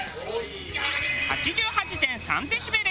８８．３デシベル。